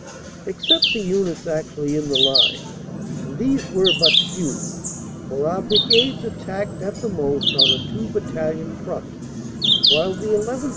Except for units actually in the line and these were but few, for our Bri gades attacked at the most on a two Battalion front, while the llth.